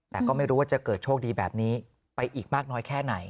แต่ก็ไม่รู้ว่าจะเกิดโชคดีแบบนี้ไปอีกมากน้อยแค่ไหน